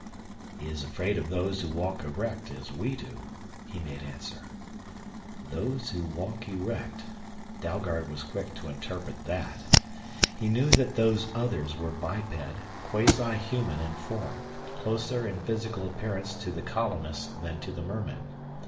"He is afraid of those who walk erect as we do," he made answer. Those who walk erect Dalgard was quick to interpret that. He knew that Those Others were biped, quasi human in form, closer in physical appearance to the colonists than to the mermen.